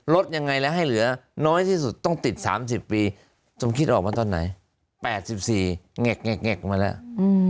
ยังไงแล้วให้เหลือน้อยที่สุดต้องติด๓๐ปีสมคิดออกมาตอนไหน๘๔แงกมาแล้ว